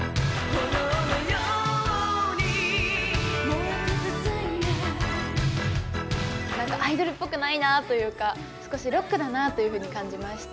「炎のように燃えてｄｅｓｉｒｅ」なんかアイドルっぽくないなというか少しロックだなというふうに感じました。